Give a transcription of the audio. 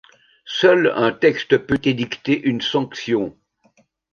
Seul un texte peut édicter une sanction.